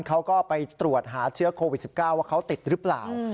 เขาก็ไปตรวจหาเชื้อโควิด๑๙ว่าเขาติดหรือเปล่า